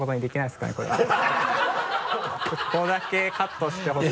ここだけカットしてほしい。